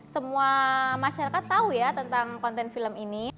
semua masyarakat tahu ya tentang konten film ini